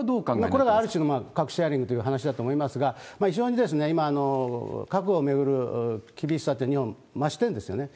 これがある種の核シェアリングという話だと思いますが、非常に今、核を巡る厳しさって、日本、増してるんですよね。